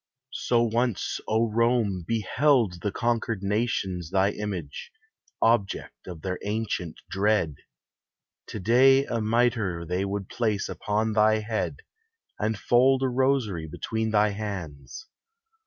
So once, O Rome, beheld the conquered nations Thy image, object of their ancient dread. To day a mitre they would place upon Thy head, and fold a rosary between Thy hands.